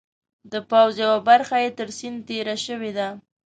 د پوځ یوه برخه یې تر سیند تېره شوې ده.